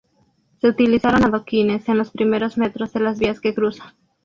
Se utilizaron adoquines en los primeros metros de las vías que cruza.